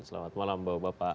selamat malam bapak bapak